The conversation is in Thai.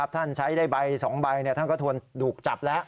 ท่านใช้ได้ใบ๒ใบท่านก็ทวนถูกจับแล้ว